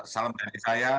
salam dari saya